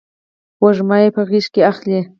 وږمه یې په غیږ کې اخلې